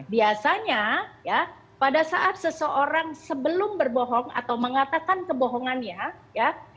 biasanya ya pada saat seseorang sebelum berbohong atau mengatakan kebohongannya ya